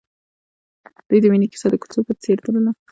د دوی د مینې کیسه د کوڅه په څېر تلله.